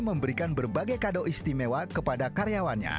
memberikan berbagai kado istimewa kepada karyawannya